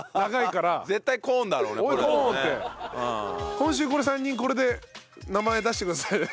今週３人これで名前出してくださいね。